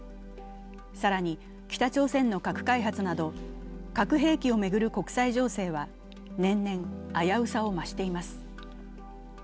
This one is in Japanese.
更に北朝鮮の核開発など核兵器を巡る国際情勢は年々、危うさを増しています。